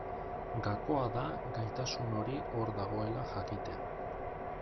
Gakoa da gaitasun hori hor dagoela jakitea.